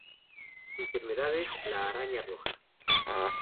Enfermedades: La araña roja.